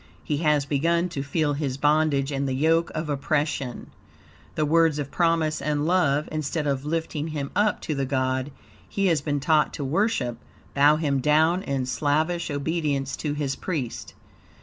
He has begun to feel his bondage and the yoke of oppression. The words of promise and love, instead of lifting him up to the God he has been taught to worship, bow him down in slavish obedience to his priest.